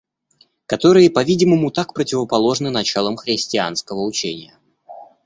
Которые по-видимому так противоположны началам христианского учения.